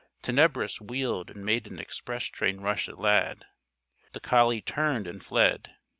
Tenebris wheeled and made an express train rush at Lad. The collie turned and fled.